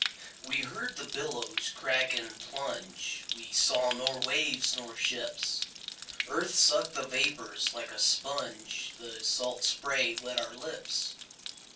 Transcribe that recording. We heard the billows crack and plunge, We saw nor waves nor ships. Earth sucked the vapors like a sponge, The salt spray wet our lips.